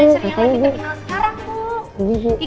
influencer yang lagi terkenal sekarang puk